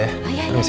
ayah ayah permisi